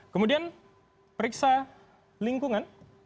kemudian periksa lingkungan